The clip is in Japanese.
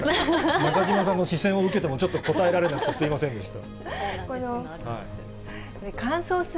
中島さんの視線を受けても、ちょっとこたえられなくてすみませんでした。